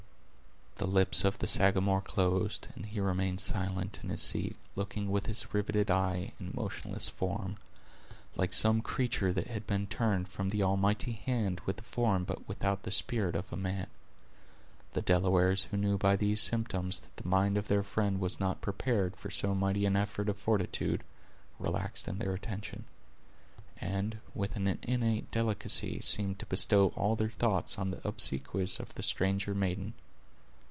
The lips of the Sagamore closed, and he remained silent in his seat, looking with his riveted eye and motionless form, like some creature that had been turned from the Almighty hand with the form but without the spirit of a man. The Delawares who knew by these symptoms that the mind of their friend was not prepared for so mighty an effort of fortitude, relaxed in their attention; and, with an innate delicacy, seemed to bestow all their thoughts on the obsequies of the stranger maiden.